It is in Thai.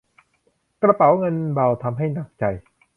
กระเป๋าเงินเบาทำให้หนักใจ